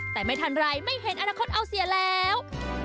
แต่ไม่ทันไรไม่เห็นอนาคตเอาเสียแล้ว